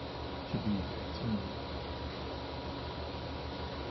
to be continued.